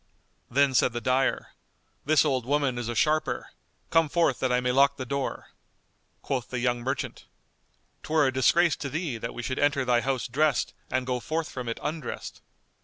Then said the dyer, "This old woman is a sharper. Come forth, that I may lock the door." Quoth the young merchant, "'Twere a disgrace to thee that we should enter thy house dressed and go forth from it undressed."